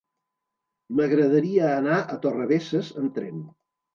M'agradaria anar a Torrebesses amb tren.